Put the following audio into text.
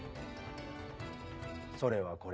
それは。